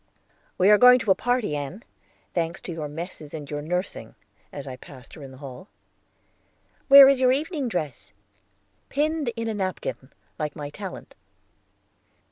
"We are going to a party, Ann. Thanks to your messes and your nursing," as I passed her in the hall. "Where is your evening dress?" "Pinned in a napkin like my talent."